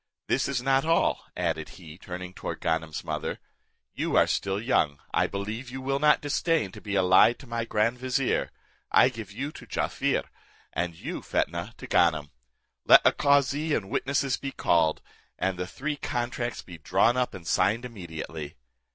This is not all," added he, turning towards Ganem's mother; "you are still young, I believe you will not disdain to be allied to my grand vizier, I give you to Jaaffier, and you, Fetnah, to Ganem. Let a cauzee and witnesses be called, and the three contracts be drawn up and signed immediately."